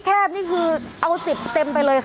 วันนี้จะเป็นวันนี้